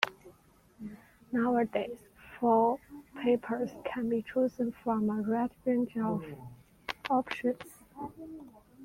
Nowadays, four papers can be chosen from a wide range of options.